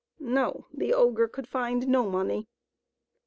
No ; the ogre could find no money.